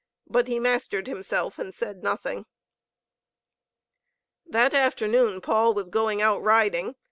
But he mastered himself and said nothing. That afternoon Paul was going out riding.